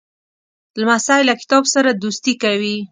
لمسی له کتاب سره دوستي کوي.